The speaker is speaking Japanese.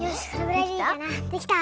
できた！